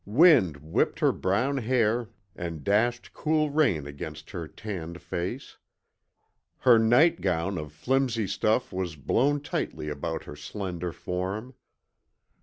Wind whipped her brown hair and dashed cool rain against her tanned face. Her nightgown of flimsy stuff was blown tightly about her slender form.